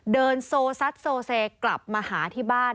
เดินโซซัดโซเซกลับมาหาที่บ้าน